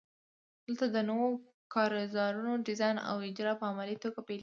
دلته د نویو کارزارونو ډیزاین او اجرا په عملي توګه پیلیږي.